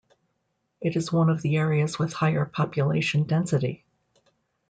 It is one of the areas with higher population density.